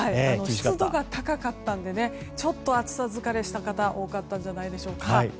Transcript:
湿度が高かったのでちょっと暑さ疲れした方多かったんじゃないでしょうか。